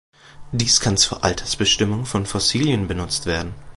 Dies kann zur Altersbestimmung von Fossilien benutzt werden.